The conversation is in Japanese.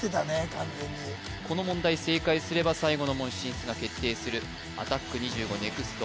完全にこの問題正解すれば最後の門進出が決定する「アタック２５Ｎｅｘｔ」